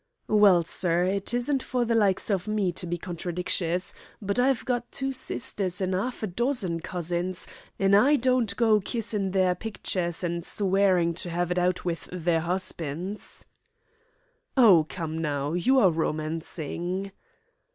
"Well, sir, it isn't for the likes of me to be contradictious, but I've got two sisters an' 'arf a dozen cousins, an' I don't go kissin' their pictures an' swearin' to 'ave it out with their 'usbin's." "Oh, come now. You are romancing."